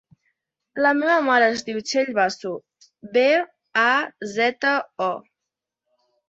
La meva mare es diu Txell Bazo: be, a, zeta, o.